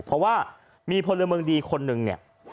เพราะว่ามีพลเมืองดีคนหนึ่งเนี่ย